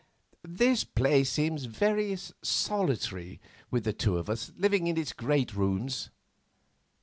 "This place seems very solitary with the two of us living in its great rooms.